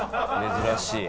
珍しい。